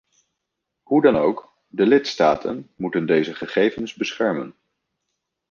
Hoe dan ook, de lidstaten moeten deze gegevens beschermen.